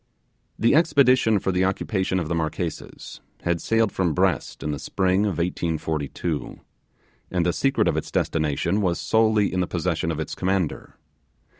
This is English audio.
The expedition for the occupation of the Marquesas had sailed from Brest in the spring of 1842, and the secret of its destination was solely in the possession of its commander.